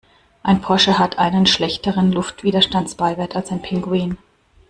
Ein Porsche hat einen schlechteren Luftwiderstandsbeiwert als ein Pinguin.